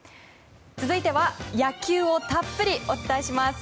続いては野球をたっぷりお伝えします。